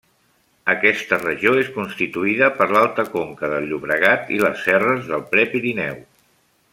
Aquesta regió és constituïda per l'alta conca del Llobregat i les serres del Prepirineu.